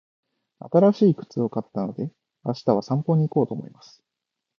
新しい靴を買ったので、明日は散歩に行こうと思います。